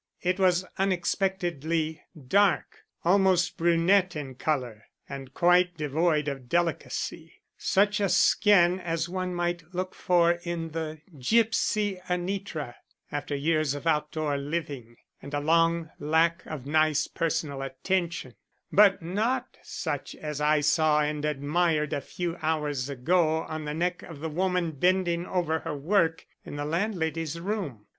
It was unexpectedly dark, almost brunette in color, and quite devoid of delicacy; such a skin as one might look for in the gipsy Anitra after years of outdoor living and a long lack of nice personal attention, but not such as I saw and admired a few hours ago on the neck of the woman bending over her work in the landlady's room.